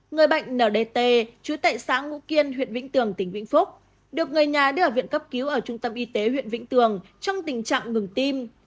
người bệnh ndt chú tại xã ngũ kiên huyện vĩnh tường tỉnh vĩnh phúc được người nhà đưa vào viện cấp cứu ở trung tâm y tế huyện vĩnh tường trong tình trạng ngừng tim